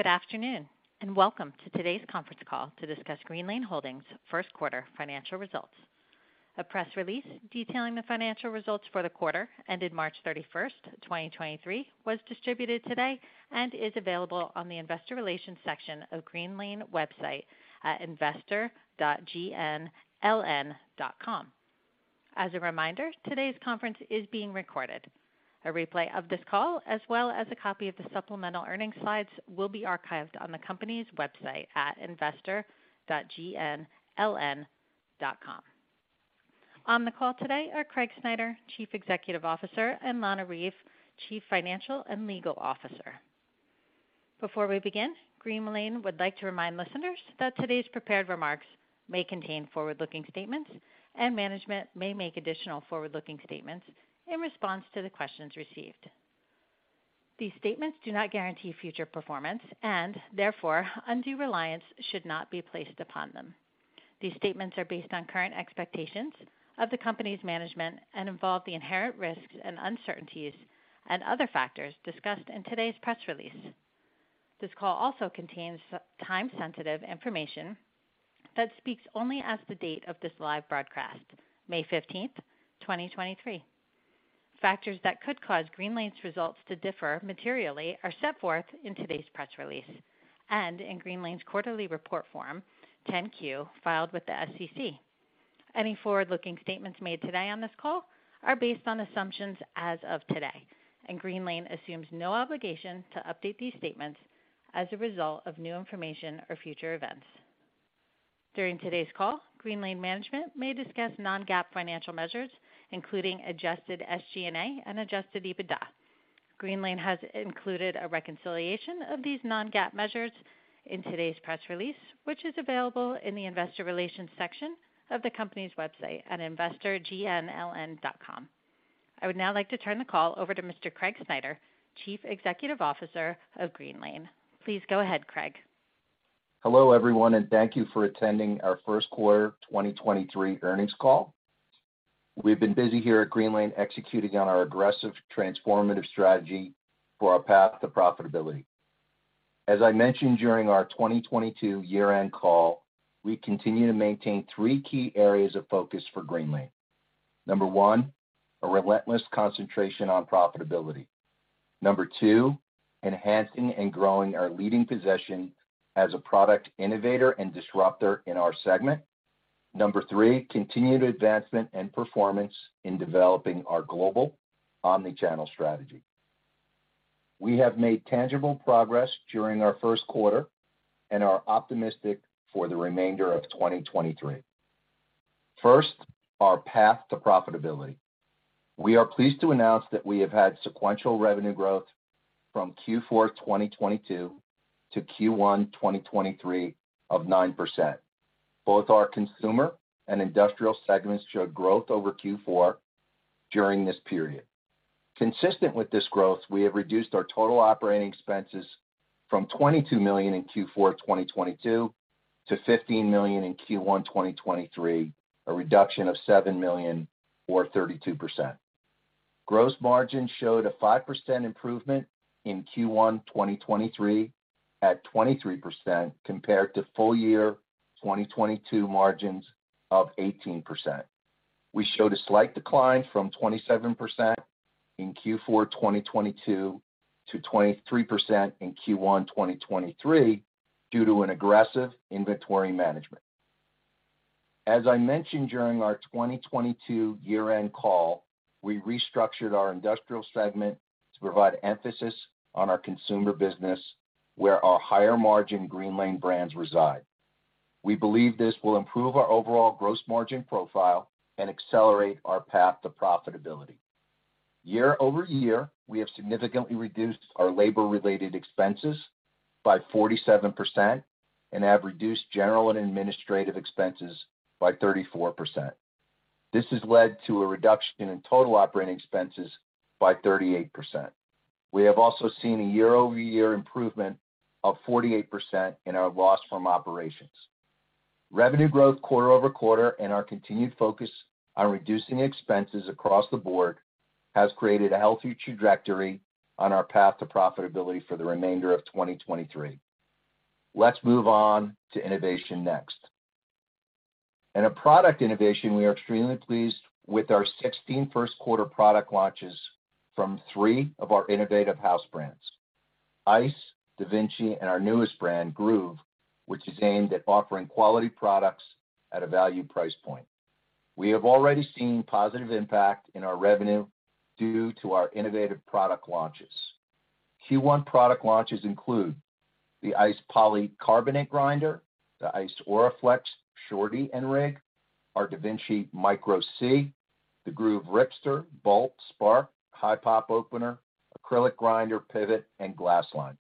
Good afternoon, welcome to today's conference call to discuss Greenlane Holdings first quarter financial results. A press release detailing the financial results for the quarter ended March 31st, 2023 was distributed today and is available on the investor relations section of Greenlane website at investor.gnln.com. As a reminder, today's conference is being recorded. A replay of this call, as well as a copy of the supplemental earnings slides, will be archived on the company's website at investor.gnln.com. On the call today are Craig Snyder, Chief Executive Officer, and Lana Reeve, Chief Financial and Legal Officer. Before we begin, Greenlane would like to remind listeners that today's prepared remarks may contain forward-looking statements, and management may make additional forward-looking statements in response to the questions received. These statements do not guarantee future performance, and therefore, undue reliance should not be placed upon them. These statements are based on current expectations of the company's management and involve the inherent risks and uncertainties and other factors discussed in today's press release. This call also contains time-sensitive information that speaks only as the date of this live broadcast, May 15th, 2023. Factors that could cause Greenlane's results to differ materially are set forth in today's press release and in Greenlane's quarterly report Form 10-Q, filed with the SEC. Any forward-looking statements made today on this call are based on assumptions as of today, Greenlane assumes no obligation to update these statements as a result of new information or future events. During today's call, Greenlane management may discuss non-GAAP financial measures, including adjusted SG&A and adjusted EBITDA. Greenlane has included a reconciliation of these non-GAAP measures in today's press release, which is available in the investor relations section of the company's website at investor.gnln.com. I would now like to turn the call over to Mr. Craig Snyder, Chief Executive Officer of Greenlane. Please go ahead, Craig. Hello, everyone, and thank you for attending our first quarter 2023 earnings call. We've been busy here at Greenlane executing on our aggressive transformative strategy for our path to profitability. As I mentioned during our 2022 year-end call, we continue to maintain three key areas of focus for Greenlane. Number one, a relentless concentration on profitability. Number two, enhancing and growing our leading position as a product innovator and disruptor in our segment. Number three, continued advancement and performance in developing our global omni-channel strategy. We have made tangible progress during our first quarter and are optimistic for the remainder of 2023. First, our path to profitability. We are pleased to announce that we have had sequential revenue growth from Q4 2022 to Q1 2023 of 9%. Both our consumer and industrial segments showed growth over Q4 during this period. Consistent with this growth, we have reduced our total operating expenses from $22 million in Q4 2022 to $15 million in Q1 2023, a reduction of $7 million or 32%. Gross margin showed a 5% improvement in Q1 2023 at 23% compared to full year 2022 margins of 18%. We showed a slight decline from 27% in Q4 2022 to 23% in Q1 2023 due to an aggressive inventory management. As I mentioned during our 2022 year-end call, we restructured our industrial segment to provide emphasis on our consumer business, where our higher margin Greenlane brands reside. We believe this will improve our overall gross margin profile and accelerate our path to profitability. Year-over-year, we have significantly reduced our labor-related expenses by 47% and have reduced general and administrative expenses by 34%. This has led to a reduction in total operating expenses by 38%. We have also seen a year-over-year improvement of 48% in our loss from operations. Revenue growth quarter-over-quarter and our continued focus on reducing expenses across the board has created a healthy trajectory on our path to profitability for the remainder of 2023. Let's move on to innovation next. In a product innovation, we are extremely pleased with our 16 first quarter product launches from three of our innovative house brands, Eyce, DaVinci, and our newest brand, Groove, which is aimed at offering quality products at a value price point. We have already seen positive impact in our revenue due to our innovative product launches. Q1 product launches include the Eyce Polycarbonate Grinder, the Eyce ORAFLEX Shorty and Rig, our DaVinci MIQRO-C, the Groove Ripster, Bolt, Spark, Hi-Pop Opener, Acrylic Grinder, Pivot, and Glass Line.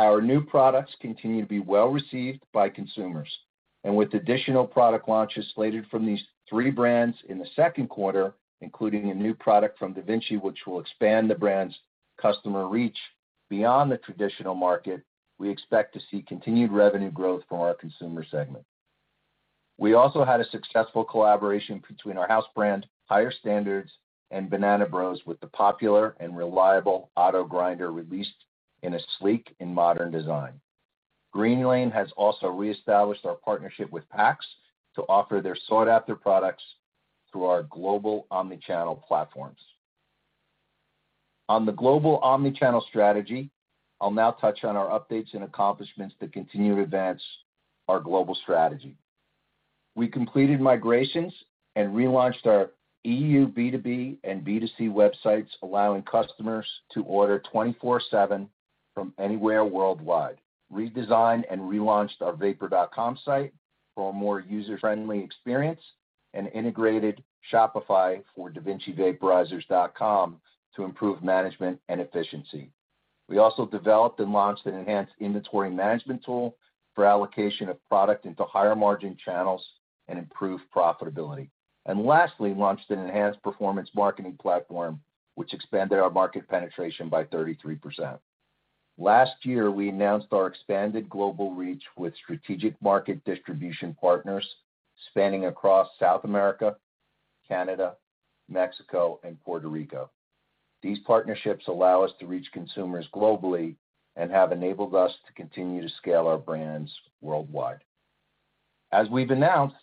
Our new products continue to be well-received by consumers, with additional product launches slated from these three brands in the second quarter, including a new product from DaVinci, which will expand the brand's customer reach beyond the traditional market, we expect to see continued revenue growth from our consumer segment. We also had a successful collaboration between our house brand, Higher Standards, and Banana Bros. with the popular and reliable auto grinder released in a sleek and modern design. Greenlane has also reestablished our partnership with PAX to offer their sought-after products through our global omni-channel platforms. On the global omni-channel strategy, I'll now touch on our updates and accomplishments that continue to advance our global strategy. We completed migrations and relaunched our EU B2B and B2C websites, allowing customers to order 24/7 from anywhere worldwide. Redesigned and relaunched our Vapor.com site for a more user-friendly experience and integrated Shopify for DaVinciVaporizer.com to improve management and efficiency. We also developed and launched an enhanced inventory management tool for allocation of product into higher margin channels and improved profitability, and lastly, launched an enhanced performance marketing platform which expanded our market penetration by 33%. Last year, we announced our expanded global reach with strategic market distribution partners spanning across South America, Canada, Mexico, and Puerto Rico. These partnerships allow us to reach consumers globally and have enabled us to continue to scale our brands worldwide. As we've announced,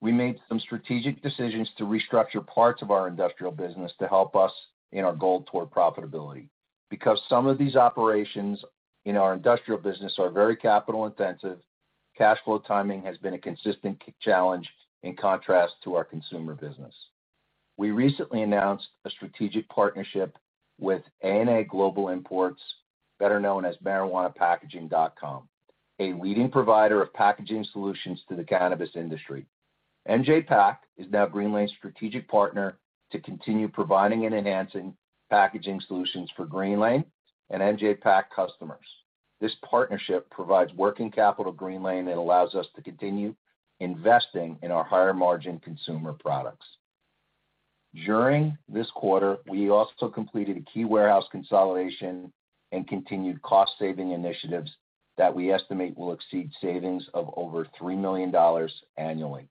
we made some strategic decisions to restructure parts of our industrial business to help us in our goal toward profitability. Because some of these operations in our industrial business are very capital-intensive, cash flow timing has been a consistent challenge in contrast to our consumer business. We recently announced a strategic partnership with A&A Global Imports, better known as MarijuanaPackaging.com, a leading provider of packaging solutions to the cannabis industry. MJ PACK is now Greenlane's strategic partner to continue providing and enhancing packaging solutions for Greenlane and MJ PACK customers. This partnership provides working capital to Greenlane that allows us to continue investing in our higher-margin consumer products. During this quarter, we also completed a key warehouse consolidation and continued cost-saving initiatives that we estimate will exceed savings of over $3 million annually.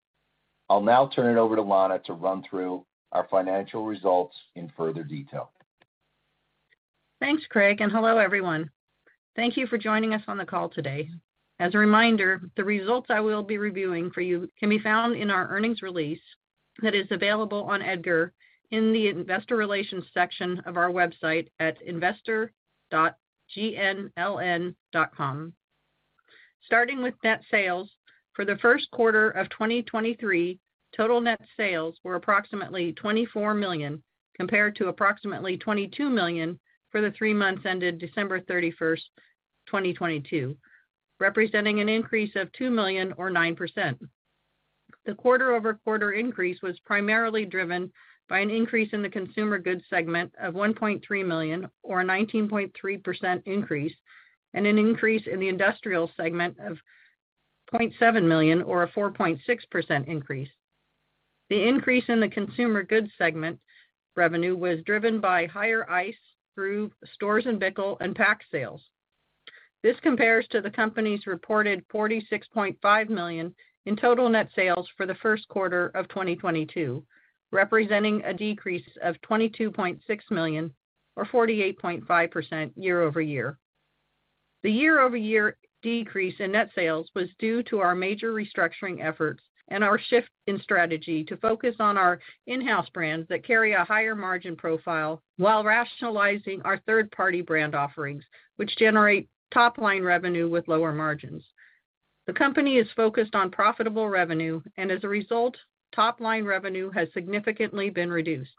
I'll now turn it over to Lana to run through our financial results in further detail. Thanks, Craig. Hello, everyone. Thank you for joining us on the call today. As a reminder, the results I will be reviewing for you can be found in our earnings release that is available on EDGAR in the Investor Relations section of our website at investor.gnln.com. Starting with net sales, for the first quarter of 2023, total net sales were approximately $24 million, compared to approximately $22 million for the three months ended December 31st, 2022, representing an increase of $2 million or 9%. The quarter-over-quarter increase was primarily driven by an increase in the consumer goods segment of $1.3 million or a 19.3% increase, and an increase in the industrial segment of $0.7 million or a 4.6% increase. The increase in the consumer goods segment revenue was driven by higher Storz & Bickel and PAX sales. This compares to the company's reported $46.5 million in total net sales for the first quarter of 2022, representing a decrease of $22.6 million or 48.5% year-over-year. The year-over-year decrease in net sales was due to our major restructuring efforts and our shift in strategy to focus on our in-house brands that carry a higher margin profile while rationalizing our third-party brand offerings, which generate top-line revenue with lower margins. The company is focused on profitable revenue, and as a result, top-line revenue has significantly been reduced.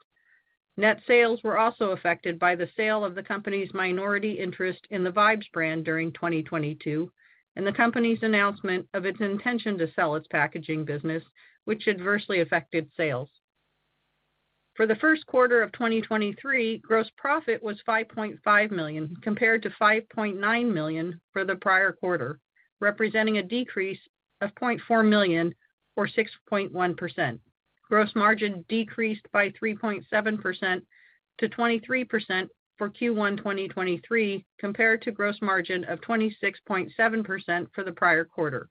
Net sales were also affected by the sale of the company's minority interest in the VIBES brand during 2022 and the company's announcement of its intention to sell its packaging business, which adversely affected sales. For the first quarter of 2023, gross profit was $5.5 million, compared to $5.9 million for the prior quarter, representing a decrease of $0.4 million or 6.1%. Gross margin decreased by 3.7% to 23% for Q1 2023, compared to gross margin of 26.7% for the prior quarter.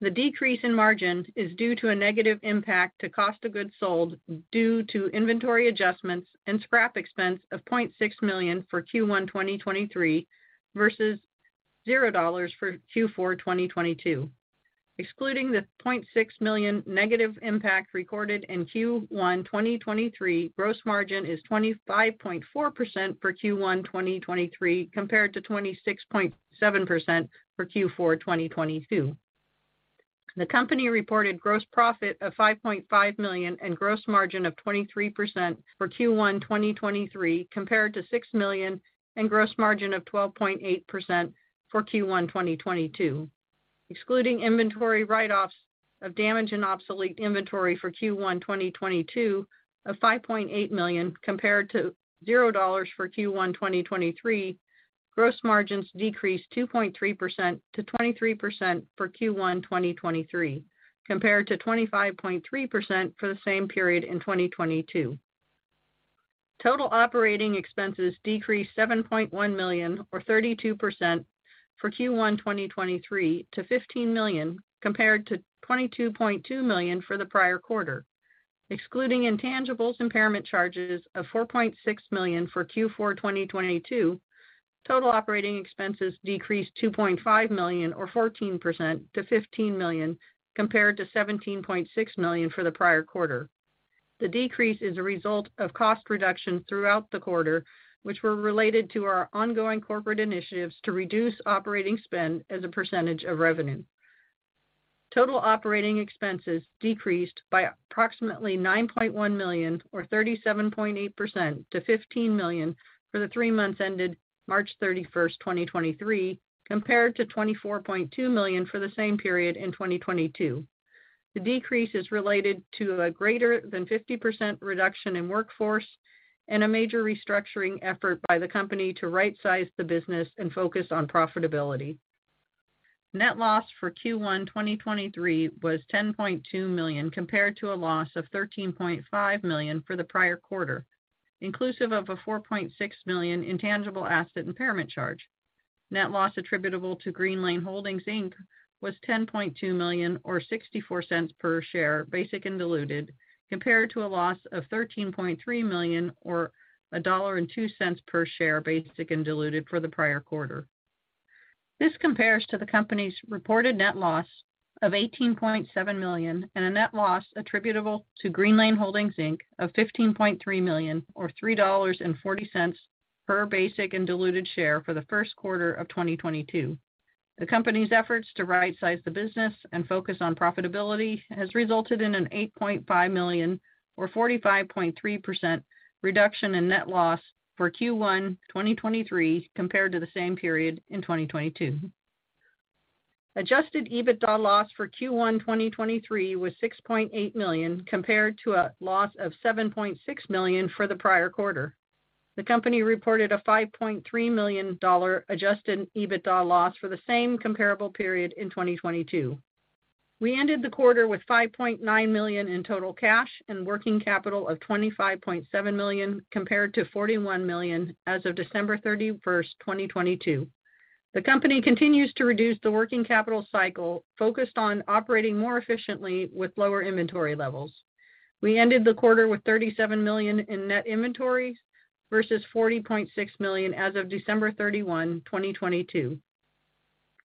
The decrease in margin is due to a negative impact to cost of goods sold due to inventory adjustments and scrap expense of $0.6 million for Q1 2023 versus $0 for Q4 2022. Excluding the $0.6 million negative impact recorded in Q1 2023, gross margin is 25.4% for Q1 2023, compared to 26.7% for Q4 2022. The company reported gross profit of $5.5 million and gross margin of 23% for Q1 2023, compared to $6 million and gross margin of 12.8% for Q1 2022. Excluding inventory write-offs of damage and obsolete inventory for Q1 2022 of $5.8 million compared to $0 for Q1 2023, gross margins decreased 2.3% to 23% for Q1 2023, compared to 25.3% for the same period in 2022. Total operating expenses decreased $7.1 million or 32% for Q1 2023 to $15 million compared to $22.2 million for the prior quarter. Excluding intangibles impairment charges of $4.6 million for Q4 2022, total operating expenses decreased $2.5 million or 14% to $15 million compared to $17.6 million for the prior quarter. The decrease is a result of cost reduction throughout the quarter, which were related to our ongoing corporate initiatives to reduce operating spend as a percentage of revenue. Total operating expenses decreased by approximately $9.1 million or 37.8% to $15 million for the three months ended March 31st, 2023 compared to $24.2 million for the same period in 2022. The decrease is related to a greater than 50% reduction in workforce and a major restructuring effort by the company to right-size the business and focus on profitability. Net loss for Q1 2023 was $10.2 million compared to a loss of $13.5 million for the prior quarter, inclusive of a $4.6 million intangible asset impairment charge. Net loss attributable to Greenlane Holdings, Inc was $10.2 million or $0.64 per share, basic and diluted compared to a loss of $13.3 million or $1.02 per share, basic and diluted for the prior quarter. This compares to the company's reported net loss of $18.7 million and a net loss attributable to Greenlane Holdings, Inc of $15.3 million or $3.40 per basic and diluted share for the first quarter of 2022. The company's efforts to right-size the business and focus on profitability has resulted in an $8.5 million or 45.3% reduction in net loss for Q1 2023 compared to the same period in 2022. Adjusted EBITDA loss for Q1 2023 was $6.8 million compared to a loss of $7.6 million for the prior quarter. The company reported a $5.3 million adjusted EBITDA loss for the same comparable period in 2022. We ended the quarter with $5.9 million in total cash and working capital of $25.7 million compared to $41 million as of December 31st, 2022. The company continues to reduce the working capital cycle, focused on operating more efficiently with lower inventory levels. We ended the quarter with $37 million in net inventories versus $40.6 million as of December 31, 2022.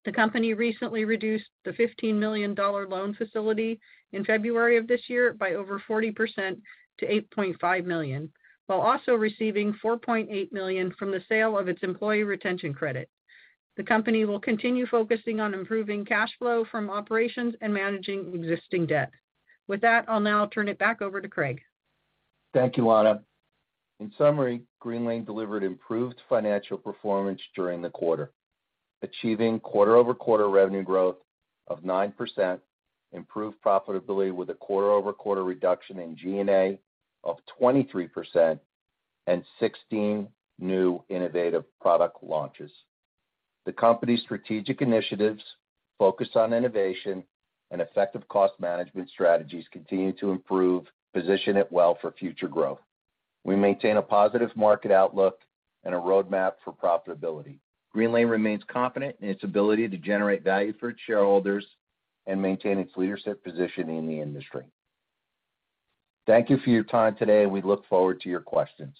The company recently reduced the $15 million loan facility in February of this year by over 40% to $8.5 million, while also receiving $4.8 million from the sale of its Employee Retention Credit. The company will continue focusing on improving cash flow from operations and managing existing debt. With that, I'll now turn it back over to Craig. Thank you, Lana. In summary, Greenlane delivered improved financial performance during the quarter, achieving quarter-over-quarter revenue growth of 9%, improved profitability with a quarter-over-quarter reduction in G&A of 23% and 16 new innovative product launches. The company's strategic initiatives focused on innovation and effective cost management strategies continue to improve position it well for future growth. We maintain a positive market outlook and a roadmap for profitability. Greenlane remains confident in its ability to generate value for its shareholders and maintain its leadership position in the industry. Thank you for your time today, and we look forward to your questions.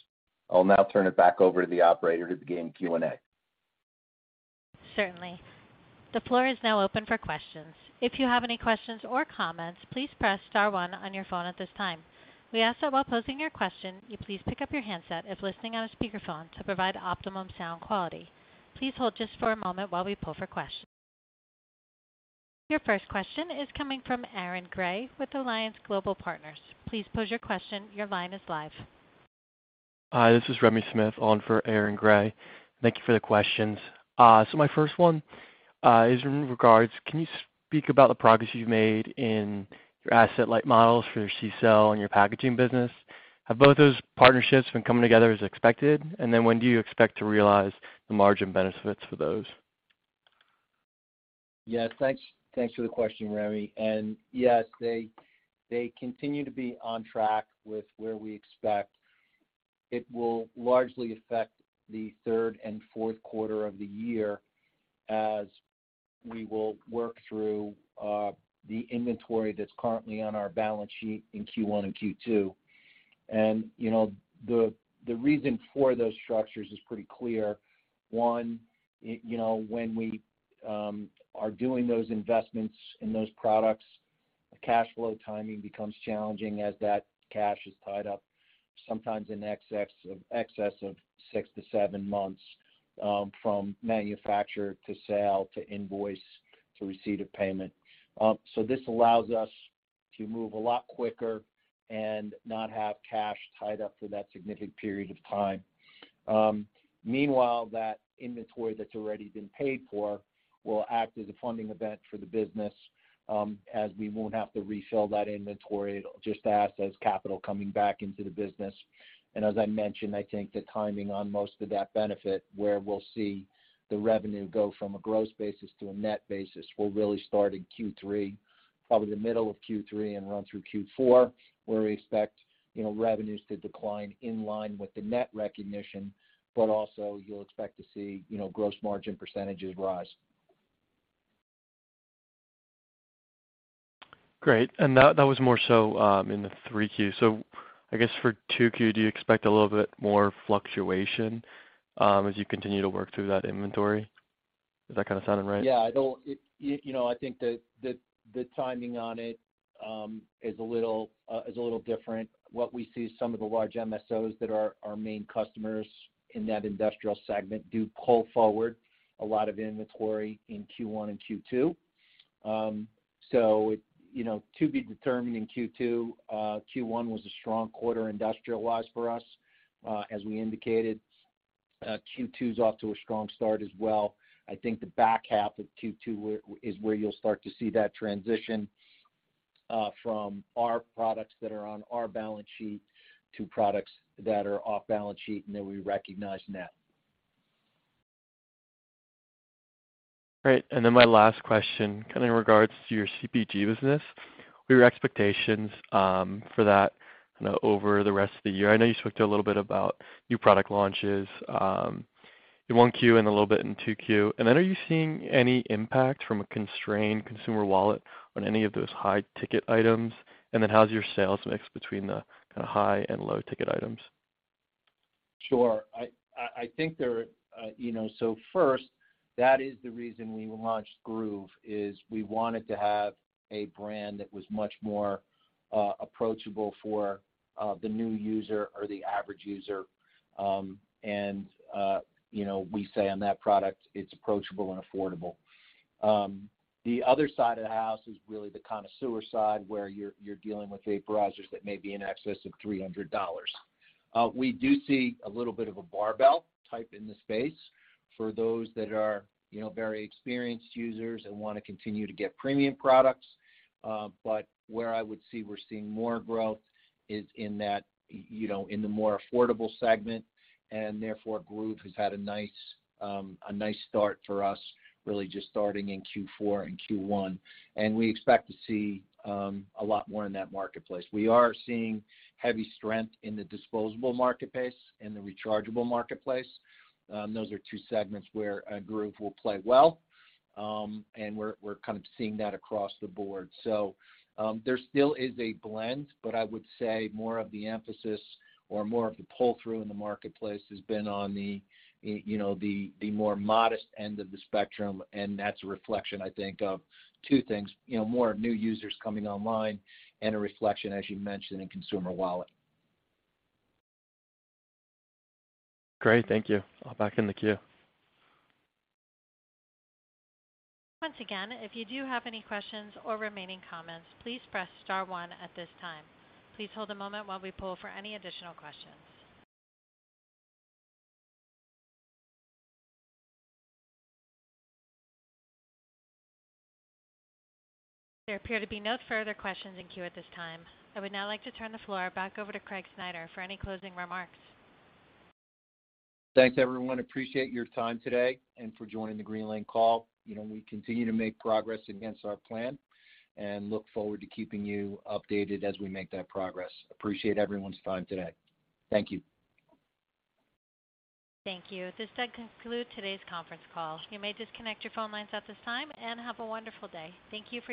I'll now turn it back over to the operator to begin Q&A. Certainly. The floor is now open for questions. If you have any questions or comments, please press star one on your phone at this time. We ask that while posing your question, you please pick up your handset if listening on a speakerphone to provide optimum sound quality. Please hold just for a moment while we pull for questions. Your first question is coming from Aaron Grey with Alliance Global Partners. Please pose your question. Your line is live. Hi, this is Remi Smith on for Aaron Grey. Thank you for the questions. My first one is in regards. Can you speak about the progress you've made in your asset-light models for your C sale and your packaging business? Have both those partnerships been coming together as expected? When do you expect to realize the margin benefits for those? Yes, thanks for the question, Remi. Yes, they continue to be on track with where we expect. It will largely affect the third and fourth quarter of the year as we will work through the inventory that's currently on our balance sheet in Q1 and Q2. You know, the reason for those structures is pretty clear. One, you know, when we are doing those investments in those products, cash flow timing becomes challenging as that cash is tied up sometimes in excess of six to seven months from manufacturer to sale to invoice to receipt of payment. This allows us to move a lot quicker and not have cash tied up for that significant period of time. Meanwhile, that inventory that's already been paid for will act as a funding event for the business, as we won't have to refill that inventory. It'll just act as capital coming back into the business. As I mentioned, I think the timing on most of that benefit, where we'll see the revenue go from a gross basis to a net basis, will really start in Q3, probably the middle of Q3, and run through Q4, where we expect, you know, revenues to decline in line with the net recognition. Also you'll expect to see, you know, gross margin percentage rise. Great. That was more so in the 3Q. I guess for 2Q, do you expect a little bit more fluctuation as you continue to work through that inventory? Does that kind of sound right? You know, I think the timing on it is a little different. What we see is some of the large MSOs that are our main customers in that industrial segment do pull forward a lot of inventory in Q1 and Q2. You know, to be determined in Q2. Q1 was a strong quarter industrial-wise for us. As we indicated, Q2 is off to a strong start as well. I think the back half of Q2 is where you'll start to see that transition from our products that are on our balance sheet to products that are off balance sheet and that we recognize net. Great. My last question, kinda in regards to your CPG business, what are your expectations, for that, you know, over the rest of the year? I know you spoke to a little bit about new product launches, in 1Q and a little bit in 2Q. Are you seeing any impact from a constrained consumer wallet on any of those high-ticket items? How's your sales mix between the kinda high and low-ticket items? Sure. I think there, you know. First, that is the reason we launched Groove is we wanted to have a brand that was much more approachable for the new user or the average user. You know, we say on that product, it's approachable and affordable. The other side of the house is really the connoisseur side, where you're dealing with vaporizers that may be in excess of $300. We do see a little bit of a barbell type in the space for those that are, you know, very experienced users and wanna continue to get premium products. Where I would see we're seeing more growth is in that, you know, in the more affordable segment, and therefore Groove has had a nice start for us, really just starting in Q4 and Q1. We expect to see a lot more in that marketplace. We are seeing heavy strength in the disposable marketplace and the rechargeable marketplace. Those are two segments where Groove will play well. We're kind of seeing that across the board. There still is a blend, but I would say more of the emphasis or more of the pull-through in the marketplace has been on the, you know, the more modest end of the spectrum, and that's a reflection, I think, of two things, you know, more new users coming online and a reflection, as you mentioned, in consumer wallet. Great. Thank you. I'll back in the queue. Once again, if you do have any questions or remaining comments, please press star one at this time. Please hold a moment while we pull for any additional questions. There appear to be no further questions in queue at this time. I would now like to turn the floor back over to Craig Snyder for any closing remarks. Thanks, everyone. Appreciate your time today and for joining the Greenlane call. You know, we continue to make progress against our plan look forward to keeping you updated as we make that progress. Appreciate everyone's time today. Thank you. Thank you. This does conclude today's conference call. You may disconnect your phone lines at this time, and have a wonderful day. Thank you for your participation.